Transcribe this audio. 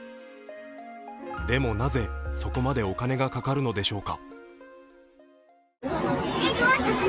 でもなぜそこまでお金がかかるのでしょうか。